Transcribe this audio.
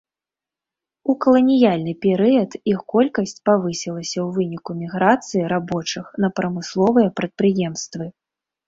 У каланіяльны перыяд іх колькасць павысілася ў выніку міграцыі рабочых на прамысловыя прадпрыемствы.